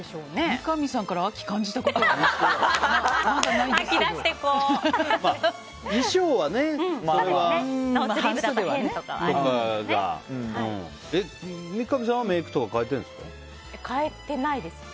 三上さんから秋を感じたことまだ、ないんですが。